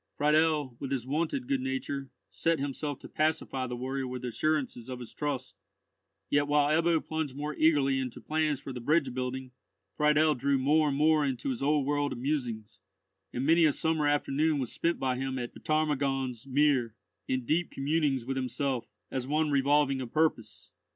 Friedel, with his wonted good nature, set himself to pacify the warrior with assurances of his trust; yet while Ebbo plunged more eagerly into plans for the bridge building, Friedel drew more and more into his old world of musings; and many a summer afternoon was spent by him at the Ptarmigan's Mere, in deep communings with himself, as one revolving a purpose.